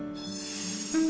うん。